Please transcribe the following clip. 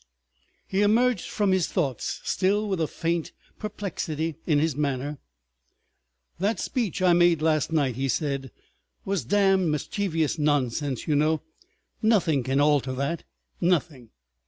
He emerged from his thoughts, still with a faint perplexity in his manner. "That speech I made last night," he said, "was damned mischievous nonsense, you know. Nothing can alter that. Nothing.